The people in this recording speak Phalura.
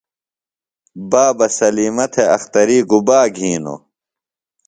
بابہ سلِیمہ تھےۡ اختری گُبا گِھینوۡ؟